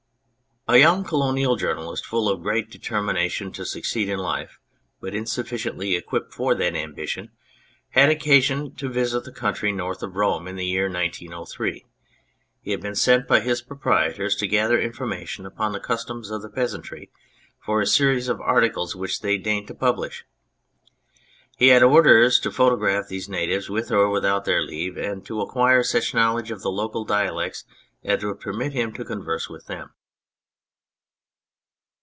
A young Colonial journalist, full of a great deter mination, to succeed in life, but insufficiently equipped for that ambition, had occasion to visit the country north of Rome in the year 1903. He had been sent by his proprietors to gather information upon the customs of the peasantry for a series of articles which they designed to publish ; he had orders to photo graph these natives with or without their leave, and to acquire such a knowledge of the local dialects as would permit him to converse with them.